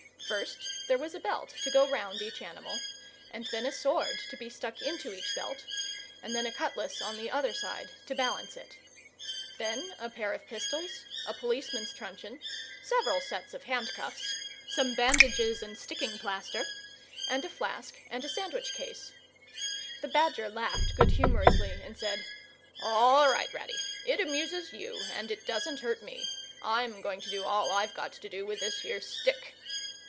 First, there was a belt to go round each animal, and then a sword to be stuck into each belt, and then a cutlass on the other side to balance it. Then a pair of pistols, a policeman's truncheon, several sets of handcuffs, some bandages and sticking plaster, and a flask and a sandwich case. The Badger laughed good humouredly and said, "All right, Ratty! It amuses you and it doesn't hurt me. I'm going to do all I've got to do with this here stick."